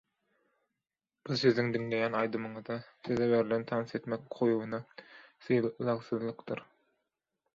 Bu siziň diňleýän aýdymyňyza, size berlen tans etmek ukybyna sylagsyzlykdyr.